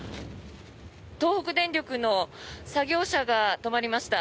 東北電力の作業車が止まりました。